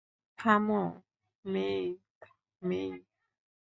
থামো, মেই-মেই।